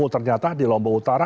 ternyata di lombok utara